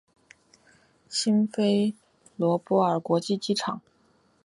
辛菲罗波尔国际机场。